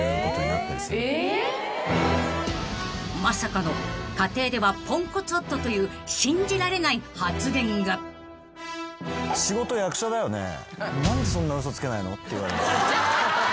［まさかの家庭ではポンコツ夫という信じられない発言が］って言われます。